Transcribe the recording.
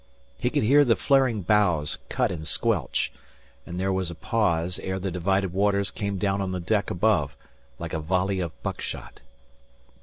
He could hear the flaring bows cut and squelch, and there was a pause ere the divided waters came down on the deck above, like a volley of buckshot.